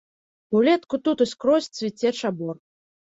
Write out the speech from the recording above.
Улетку тут і скрозь цвіце чабор.